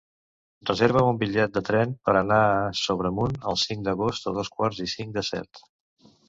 Reserva'm un bitllet de tren per anar a Sobremunt el cinc d'agost a dos quarts i cinc de set.